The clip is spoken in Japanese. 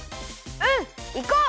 うんいこう！